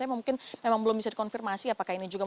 mungkin memang belum bisa dikonfirmasi apakah ini juga